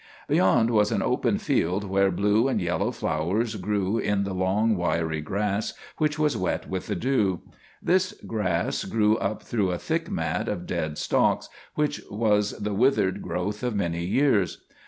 Beyond was an open field where blue and yellow flowers grew in the long, wiry grass, which was wet with the dew. This grass grew up through a thick mat of dead stalks, which was the withered growth of many years.